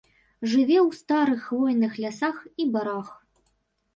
Жыве ў старых хвойных лясах і барах.